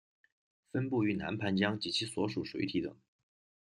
分布于南盘江及其所属水体等。